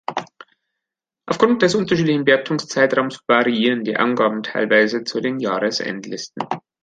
Aufgrund des unterschiedlichen Wertungs-Zeitraums variieren die Angaben teilweise zu den Jahresend-Listen.